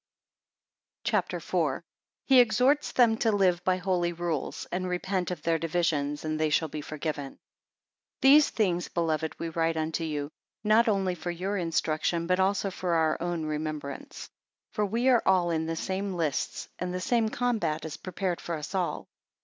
CHAPTER IV. 4 He exhorts them to live by holy rules, and repent of their divisions, and they shall be forgiven. THESE things, beloved, we write unto you, not only for your instruction, but also for our own remembrance. 2 For we are all in the same lists, and the same combat is prepared for us all.